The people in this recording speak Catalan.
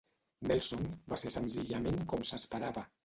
Nelson va ser senzillament com s'esperava.